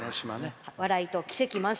笑いと奇跡満載。